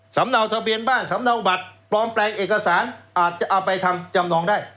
เนาทะเบียนบ้านสำเนาบัตรปลอมแปลงเอกสารอาจจะเอาไปทำจำนองได้